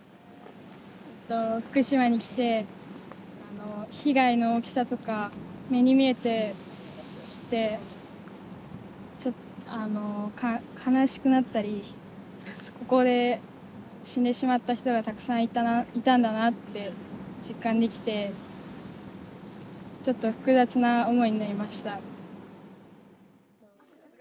福島に来て被害の大きさとか目に見えて知ってちょあの悲しくなったりここで死んでしまった人がたくさんいたんだなって実感できてちょっと複雑な思いになりました。